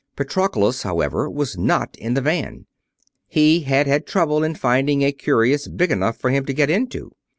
Patroclus, however, was not in the van. He had had trouble in finding a cuirass big enough for him to get into.